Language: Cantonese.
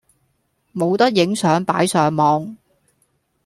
冇得影相擺上網